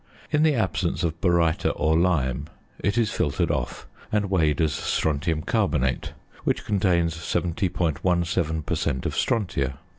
In the absence of baryta or lime it is filtered off, and weighed as strontium carbonate, which contains 70.17 per cent. of strontia.